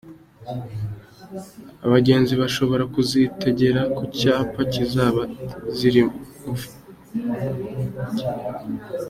Abagenzi bashobora kuzitegera ku cyapa Kizaba ziri haruguru.